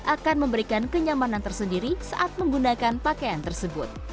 akan memberikan kenyamanan tersendiri saat menggunakan pakaian tersebut